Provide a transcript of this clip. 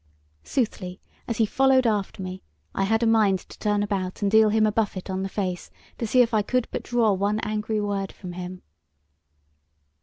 Soothly, as he followed after me, I had a mind to turn about and deal him a buffet on the face, to see if I could but draw one angry word from him."